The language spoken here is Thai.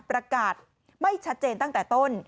ประกาศไม่ชัดเจนตั้งแต่ต้น